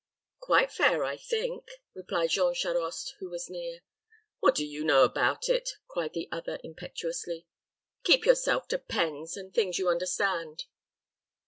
"Quite fair, I think," replied Jean Charost, who was near. "What do you know about it?" cried the other, impetuously. "Keep yourself to pens, and things you understand."